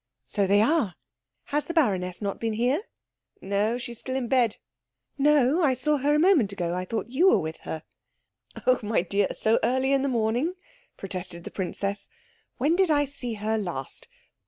"So they are. Has the baroness not been here?" "No, she is still in bed." "No, I saw her a moment ago. I thought you were with her." "Oh, my dear so early in the morning!" protested the princess. "When did I see her last?